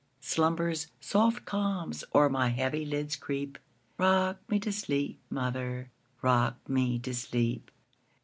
Slumber's soft calms o'er my heavy lids creep;—Rock me to sleep, mother,—rock me to sleep!